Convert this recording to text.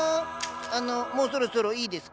あのもうそろそろいいですか？